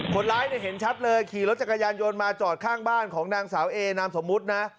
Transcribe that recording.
คนร้ายเนี่ยเห็นชัดเลยขี่รถจักรยานยนต์มาจอดข้างบ้านของนางสาวเอนามสมมุตินะ